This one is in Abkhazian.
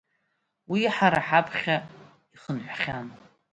Уи ҳара ҳаԥхьа ихәнахьан.